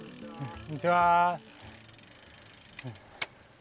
こんにちは。